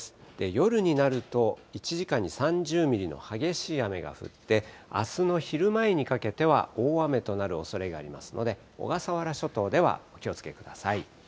夜になると１時間に３０ミリの激しい雨が降って、あすの昼前にかけては大雨となるおそれがありますので、小笠原諸島ではお気をつけください。